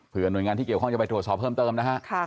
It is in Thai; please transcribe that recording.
เพื่อหน่วยงานที่เกี่ยวข้องจะไปตรวจสอบเพิ่มเติมนะฮะ